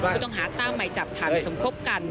ผู้ต้องหาตามหมายจับฐานสมคบกัน